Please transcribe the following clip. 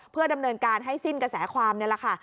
เพื่อดำเนินการให้สิ้นกระแสความนี่แหละค่ะ